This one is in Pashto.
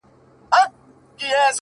o گراني بس څو ورځي لاصبر وكړه؛